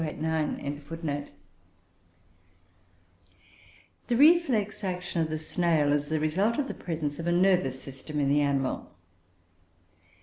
] The reflex action of the snail is the result of the presence of a nervous system in the animal.